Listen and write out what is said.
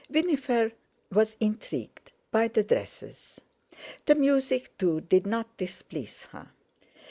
Winifred was "intrigued"—by the dresses. The music, too, did not displease her.